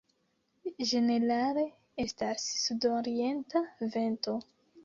Ĝenerale estas sudorienta vento.